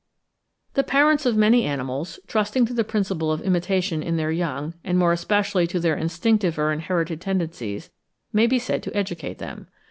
The parents of many animals, trusting to the principle of imitation in their young, and more especially to their instinctive or inherited tendencies, may be said to educate them.